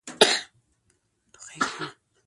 دښتې د افغانستان د ځانګړي ډول جغرافیه استازیتوب کوي.